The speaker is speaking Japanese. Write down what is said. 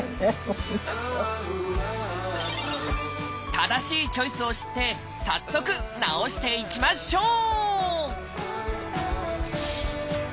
正しいチョイスを知って早速治していきましょう！